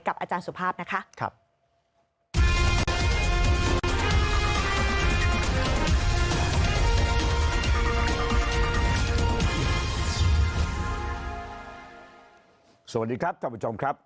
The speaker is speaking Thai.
กับอาจารย์สุภาพนะคะครับสวัสดีครับท่านผู้ชมครับ